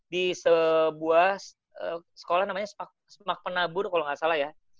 di sebuah sekolah namanya smak penabur kalau nggak salah ya